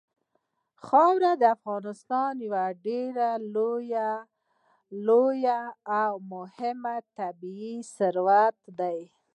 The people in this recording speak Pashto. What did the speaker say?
خاوره د افغانستان یو ډېر لوی او مهم طبعي ثروت دی.